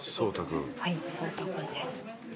「はい蒼太君です」